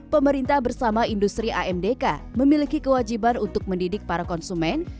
pemerintah bersama industri amdk memiliki kewajiban untuk mendidik para konsumen